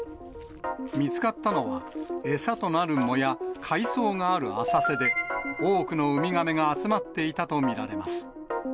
見つかったのは、餌となる藻や海藻がある浅瀬で、多くのウミガメが集まっていたと見られます。